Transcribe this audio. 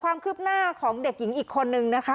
ความคืบหน้าของเด็กหญิงอีกคนนึงนะคะ